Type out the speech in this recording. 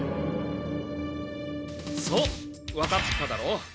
そうわかっただろう？